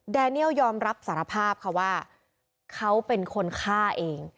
แดเนียลยอมรับสารภาพค่ะว่าเขาเป็นคนฆ่าเอง